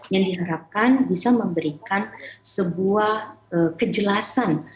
yang diharapkan bisa memberikan sebuah kejelasan